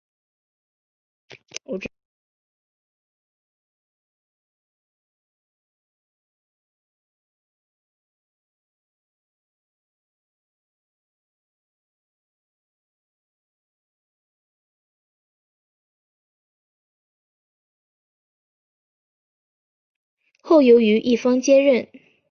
后由于一方接任。